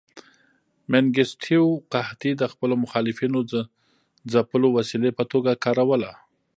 منګیستیو قحطي د خپلو مخالفینو ځپلو وسیلې په توګه کاروله.